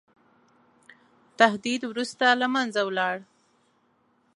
تهدید وروسته له منځه ولاړ.